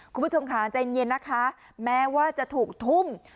คุณผู้ชมค่ะใจเย็นนะคะแม้ว่าจะถูกทุ่ม